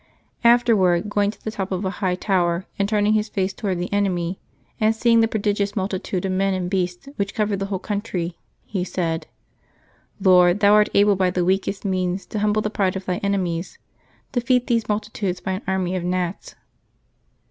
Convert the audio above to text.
Afterward, going to the top of a high tower, and turning his face towards the enemy, and seeing the prodigious mul titude of men and beasts which covered the whole country, he said, "Lord, Thou art able by the weakest means to humble the pride of Thy enemies ; defeat these multitudes by an army of gnats."